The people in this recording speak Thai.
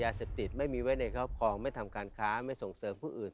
เสพติดไม่มีไว้ในครอบครองไม่ทำการค้าไม่ส่งเสริมผู้อื่น